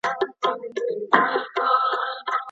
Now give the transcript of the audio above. ولي لېواله انسان د لوستي کس په پرتله برخلیک بدلوي؟